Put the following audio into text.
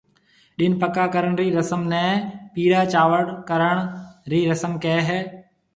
ڏِن پڪا ڪرڻ رِي رسم نيَ پيݪا چاول ڪرن رِي رسم ڪھيََََ ھيََََ